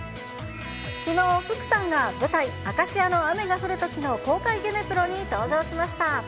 きのう、福さんが舞台、アカシアの雨が降る時の公開ゲネプロに登場しました。